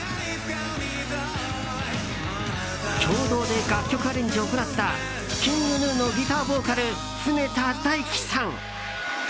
共同で楽曲アレンジを行ったＫｉｎｇＧｎｕのギターボーカル、常田大希さん。